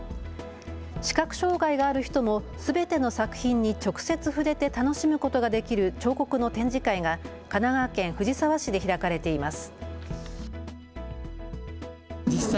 視覚障害がある人もすべての作品に直接触れて楽しむことができる彫刻の展示会が神奈川県藤沢市で開かれています。